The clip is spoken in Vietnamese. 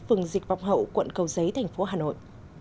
phường dịch vọc hậu quận cầu giấy tp hà nội